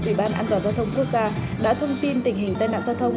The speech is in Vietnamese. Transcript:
ủy ban an toàn giao thông quốc gia đã thông tin tình hình tai nạn giao thông